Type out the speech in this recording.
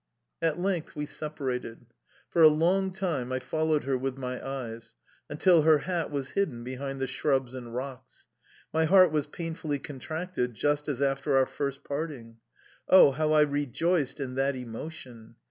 At length we separated. For a long time I followed her with my eyes, until her hat was hidden behind the shrubs and rocks. My heart was painfully contracted, just as after our first parting. Oh, how I rejoiced in that emotion!